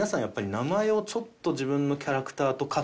やっぱり名前をちょっと自分のキャラクターと。